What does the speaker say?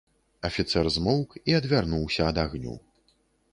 Афіцэр змоўк і адвярнуўся ад агню.